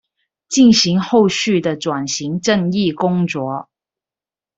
進行後續的轉型正義工作